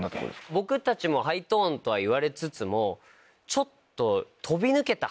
僕たちもハイトーンとはいわれつつもちょっと。